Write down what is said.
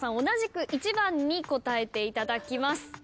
同じく１番に答えていただきます。